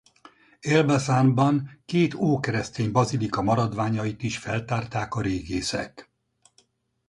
Elbasanban két ókeresztény bazilika maradványait is feltárták a régészek.